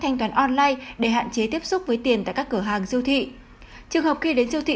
thanh toán online để hạn chế tiếp xúc với tiền tại các cửa hàng siêu thị trường hợp khi đến siêu thị